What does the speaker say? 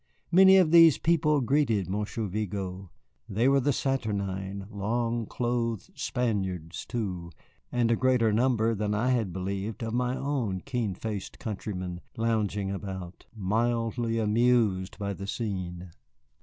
Many of these people greeted Monsieur Vigo. There were the saturnine, long cloaked Spaniards, too, and a greater number than I had believed of my own keen faced countrymen lounging about, mildly amused by the scene.